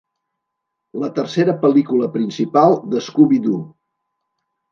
La tercera pel·lícula principal de Scooby-Doo!